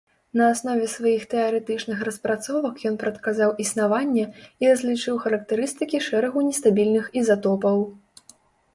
На аснове сваіх тэарэтычных распрацовак ён прадказаў існаванне і разлічыў характарыстыкі шэрагу нестабільных ізатопаў.